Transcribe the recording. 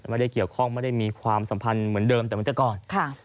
ไม่ได้เกี่ยวข้องไม่ได้มีความสัมพันธ์เหมือนเดิมแต่เหมือนจะก่อน